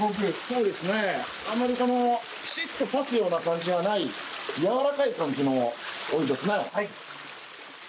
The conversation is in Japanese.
あまりピシッと刺すような感じがない柔らかい感じのお湯ですね。